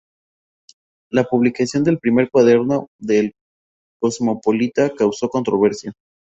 La publicación del primer cuaderno de "El Cosmopolita" causó controversia.